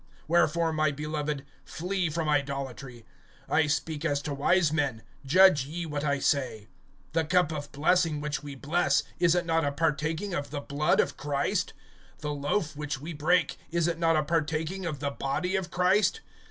(14)Wherefore, my beloved, flee from idolatry. (15)I speak as to wise men; judge ye what I say. (16)The cup of blessing which we bless, is it not a partaking of the blood of Christ? The loaf which we break, is it not a partaking of the body of Christ?